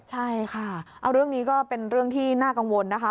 ใช่ค่ะเอาเรื่องนี้ก็เป็นเรื่องที่น่ากังวลนะคะ